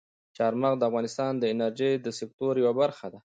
چار مغز د افغانستان د انرژۍ د سکتور یوه برخه ده.